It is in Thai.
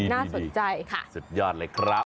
น่าสนใจค่ะสุดยอดเลยครับ